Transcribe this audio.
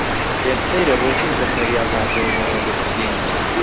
پێم سەیرە بۆچی زەکەریا و نازەنین ئەوەندە جددین.